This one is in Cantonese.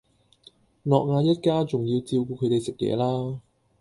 諾亞一家仲要照顧佢哋食嘢啦